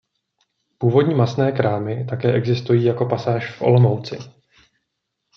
Původní masné krámy také existují jako pasáž v Olomouci.